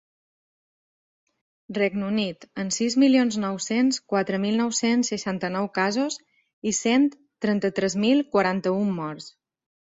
Regne Unit, amb sis milions nou-cents quatre mil nou-cents seixanta-nou casos i cent trenta-tres mil quaranta-un morts.